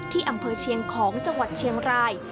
ที่อำเภอเชียงของจังหวัดเชียงราย